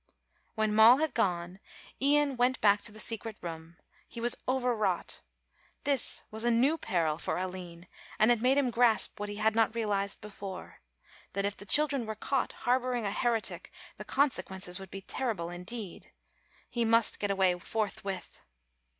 When Moll had gone, Ian went back to the secret room. He was overwrought. This was a new peril for Aline and it made him grasp what he had not realised before, that if the children were caught harbouring a heretic the consequences would be terrible indeed. He must get away forthwith.